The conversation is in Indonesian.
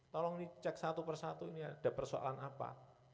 tolong ini cek satu persatu ini ada persoalan apa